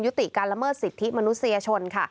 ติการละเมิดสิทธิมนุษยชนค่ะ